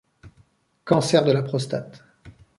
Cancer de la prostate.